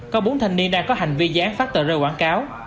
có bốn thành niên đang có hành vi gián phát tờ rơi quảng cáo